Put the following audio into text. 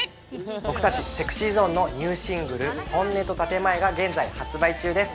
僕たちＳｅｘｙＺｏｎｅのニューシングル『本音と建前』が現在発売中です。